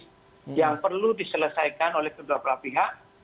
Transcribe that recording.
yang perlu diselesaikan oleh kedua belah pihak